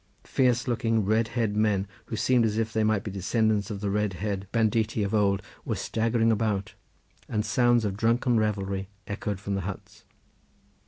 Fierce looking red haired men, who seemed as if they might be descendants of the red haired banditti of old, were staggering about, and sounds of drunken revelry echoed from the huts.